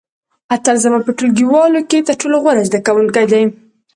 اتل زما په ټولګیوالو کې تر ټولو غوره زده کوونکی دی.